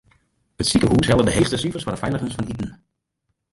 It sikehús helle de heechste sifers foar de feiligens fan iten.